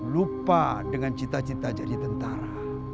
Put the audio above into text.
lupa dengan cita cita jadi tentara